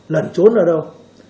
lần trốn ở đâu